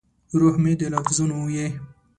روح مې د لفظونو یې